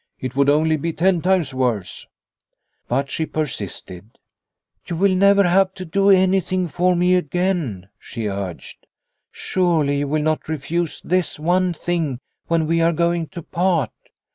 "It would only be ten times worse." But she persisted. " You will never have to do anything for me again," she urged. " Surely you will not refuse this one thing when we are going to part.